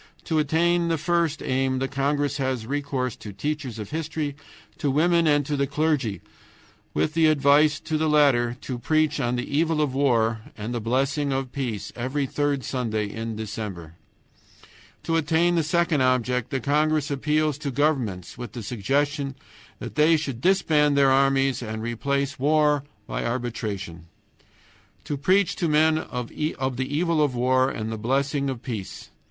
To attain the first aim the congress has recourse to teachers of history, to women, and to the clergy, with the advice to the latter to preach on the evil of war and the blessing of peace every third Sunday in December. To attain the second object the congress appeals to governments with the suggestion that they should disband their armies and replace war by arbitration. To preach to men of the evil of war and the blessing of peace!